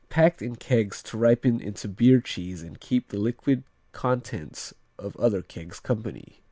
Packed in kegs to ripen into beer cheese and keep the liquid contents of other kegs company.